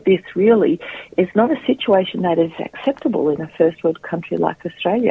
dan semua ini bukan situasi yang terdapat di negara negara pertama seperti australia